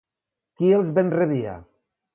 Qui els ben rebia?